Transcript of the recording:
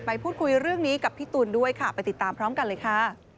พูดคุยเรื่องนี้กับพี่ตูนด้วยค่ะไปติดตามพร้อมกันเลยค่ะ